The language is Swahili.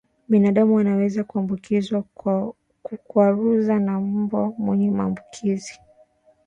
Binadamu anaweza kuambukizwa kwa kukwaruzwa na mbwa mwenye maambukizi